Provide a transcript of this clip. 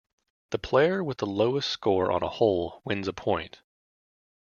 The player with the lowest score on a hole wins a point.